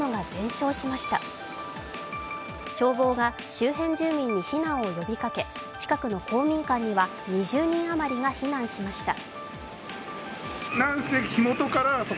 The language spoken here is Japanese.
消防が周辺住民に避難を呼びかけ近くの公民館には２０人余りが避難しました。